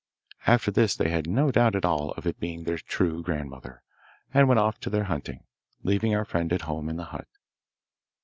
After this they had no doubt at all of its being their true grandmother, and went off to their hunting, leaving our friend at home in the hut.